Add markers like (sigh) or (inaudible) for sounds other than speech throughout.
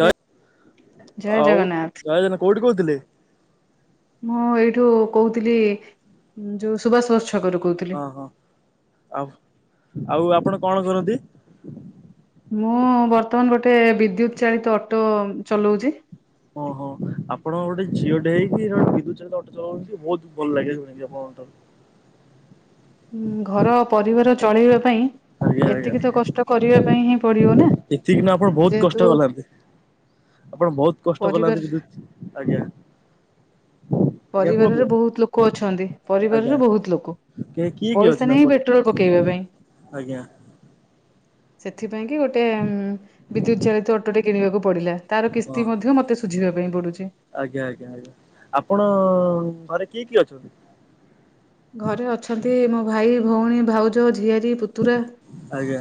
ଜୟ ଜୟ ଆଉ ଜଗନ୍ନାଥ ଜୟ ଜାନ କୋଉଠି କହୁଥିଲେ? ମୁଁ ଏଇଠୁ କହୁଥିଲି ଯୋଉ ସୁବାସ ବ ଓ ହଁ ଆଉ ଆଉ ଆପଣ କଣ କରନ୍ତି? ମୁଁ ବର୍ତ୍ତମାନ ଗୋଟେ ବିଦ୍ୟୁତ ଚାଳିତ ଅଟୋ ଚଲଉଛି। ଓ ହୋ ଆପଣ ଗୋଟେ ଝିଅ ଟେ ହେଇକି ତମେ ବିଦ୍ୟୁତ ଚାଳିତ ଅଟୋ ଚଲାଉଛ ବହୁତ ଭଲ ଲାଗେ ଶୁଣିକି ଆପଣଙ୍କଠାରୁ। ହୁଁ ଘର ପରିବାର ଚଳେଇବା ପାଇଁ ଆଜ୍ଞା ଆଜ୍ଞା ଏତିକି ତ କଷ୍ଟ କରିବା ପାଇଁ ହିଁ ପଡିବ ନା ଏତିକି ନା ଆପଣ ବହୁତ କଷ୍ଟ ଯେହେତୁ କଲାନ୍ତି ଆପଣ ବହୁତ କଷ୍ଟ ପରିବାର କଲାନ୍ତି ବିଦ୍ୟୁତ ଆଜ୍ଞା। ଆଜ୍ଞା କୁହନ୍ତୁ ପରିବାରରେ ବହୁତ ଲୋକ ଅଛନ୍ତି ଆଜ୍ଞା ପରିବାରରେ ବହୁତ ଲୋକ। କିଏ କିଏ କିଏ ଅଛି ପଇସା ତାଙ୍କ ନାହିଁ ପରେ ପେଟ୍ରୋଲ ପକେଇବା ପାଇଁ। ଆଜ୍ଞା। ସେଥିପାଇଁ କି ଗୋଟେ ଉ ବିଦ୍ୟୁତ ଚାଳିତ ଅଟୋଟେ କିଣିବାକୁ ପଡିଲା। ତାର ହଁ କିସ୍ତି ମଧ୍ୟ ମୋତେ ଶୁଝିବା ପାଇଁ ପଡ଼ୁଛି। ଆଜ୍ଞା ଆଜ୍ଞା ଆଜ୍ଞା। ଆପଣ ଘରେ କିଏ କିଏ ଅଛନ୍ତି? ଘରେ ଅଛନ୍ତି ମୋ ଭାଇ, ଭଉଣୀ, ଭାଉଜ, ଝିଆରୀ, ପୁତୁରା। ଆଜ୍ଞା।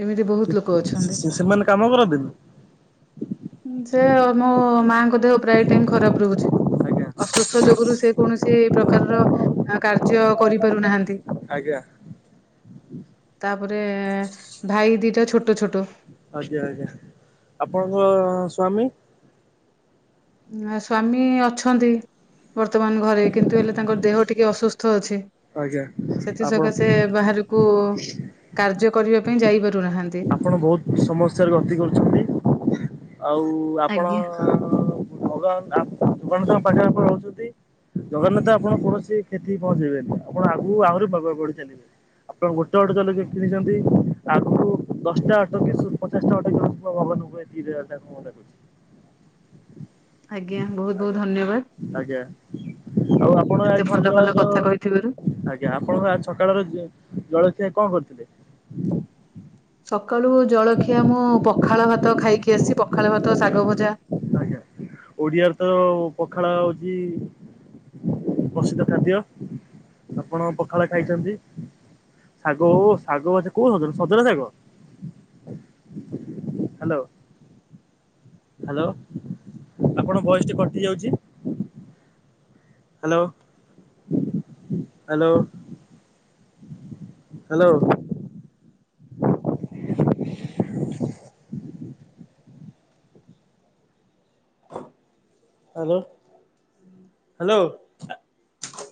ଏମିତି ବହୁତ ଲୋକ ଅଛନ୍ତି। ସେ ସେମାନେ କାମ କରନ୍ତିନି। ସେ ମୋ ମାଙ୍କ ଦେହ ପ୍ରାୟ ଟାଇ ଖରାପ ରହୁଛି। ଆଜ୍ଞା ଅସୁସ୍ଥ ଯୋଗୁରୁ ସେ କୌଣସି ପ୍ରକାରର କାର୍ଯ୍ୟ କରିପାରୁନାହାନ୍ତି। ଆଜ୍ଞା। ତାପରେ ଭାଇ ଦିଟା ଛୋଟ ଛୋଟ। ଆଜ୍ଞା ଆଜ୍ଞା ଆପଣଙ୍କ ସ୍ୱାମୀ? ନା ସ୍ଵାମୀ ଅଛନ୍ତି ବର୍ତ୍ତମାନ ଘରେ କିନ୍ତୁ ହେଲେ ତାଙ୍କର ଦେହ ଟିକେ ଅସୁସ୍ଥ ଅଛି। ଆଜ୍ଞା। ସେଥି ଆପଣ ସକାସେ ବାହାରକୁ କାର୍ଯ୍ୟ କରିବା ପାଇଁ ଯାଇ ପାରୁନାହାନ୍ତି। ଆପଣ ବହୁତ ସମସ୍ୟାରେ ଗତି କରୁଛନ୍ତି ଆଉ ଆପଣ ଆଜ୍ଞା ଭଗବାନ ଭଗାନଙ୍କ ପାଖପ ରହୁଛନ୍ତି (unintelligible) ଜଗନ୍ନାଥ ଆପଣ କୌଣସି କ୍ଷତି ପହଞ୍ଚେଇବେନି ଆପଣ ଆଗକୁ ଆହୁରି ବ ବଢି ଚାଲିବେ। ଆପଣ ଗୋଟେ ଗୋଟୋ ଚଳେଇ କିଣିଛନ୍ତି। ଆଗୁରୁ ଦଶଟା ଅଠର (unintelligible) ପଚାଶଟା ଅଟକି ଭବ ହଜାର ଟା କରଛି ଆଜ୍ଞା ବହୁତ ବହୁତ ଧନ୍ୟବାଦ ଆଜ୍ଞା ଆଜ୍ଞା। ଆଉ ଆପଣ ଏତେ ଆଜି ଭଲ ଭଲ ସକାଳର ଆ କଥା କହିଥିବାରୁ। ଆଜ୍ଞା ଆପଣ ସକାଳର ଜଳଖିଆ କଣ କରିଥିଲେ? ସକାଳୁ ଜଳଖିଆ ମୁଁ ପଖାଳ ଭାତ ଖାଇକି ଆସି ପଖାଳ ଭାତ ଶାଗ ଭଜା। ଓଡିଆରେ ତ ପଖାଳ ହଉଛି ପ୍ରସିଦ୍ଧ ଖାଦ୍ୟ ଆପଣ ପଖାଳ ଖାଇଛନ୍ତି। ଶାଗ ଓ ଶାଗ ଓ କୋଉ ସଜନ ସଜନା ଶାଗ? ହ୍ୟାଲୋ। ହ୍ୟାଲୋ ଆପଣଙ୍କ ଭଏସ ଟି କଟି ଯାଉଛି। Hello hello. Hello. (unintelligible) Hello hello.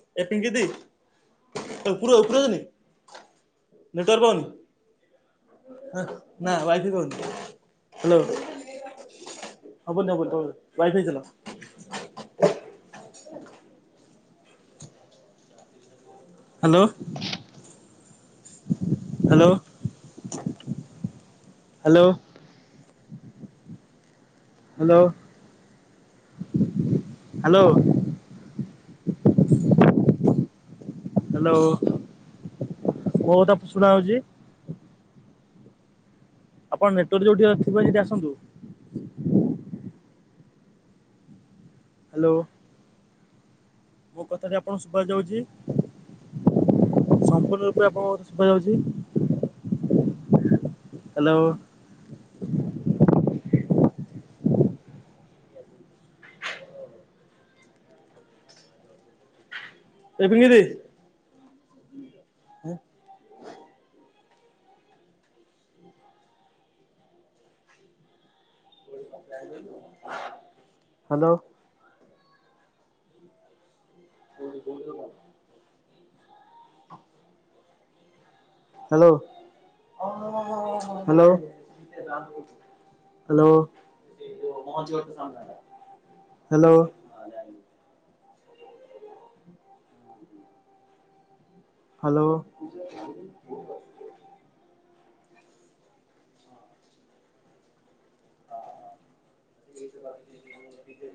(unintelligible) Network (unintelligible) ନା ଓଇଫି ପାଉନି ହ୍ୟାଲୋ। ହବନି ହବନି ୱାଇଫାଇ ଚଲା। Hello hello. Hello. Hello hello. Hello ମୋ କଥା ଶୁଣା ଯାଉଚି। ଆପଣ ନେଟୱର୍କ ଯୋଉଠି ଥିବ ସେଠି ଆସନ୍ତୁ। ହ୍ୟାଲୋ। ମୋ କଥାଟି ଆପଣଙ୍କୁ ସୁଭା ଯାଉଚି। ସମ୍ପୂନ ରୁପରେ ଆପଣଙ୍କୁ ସୁଭା ଯାଉଚି। Hello. ଏପିଙ୍କିଦି। (inaudible) Hello. (unintelligible) Hello hello. Hello hello. Hello. (unintelligible)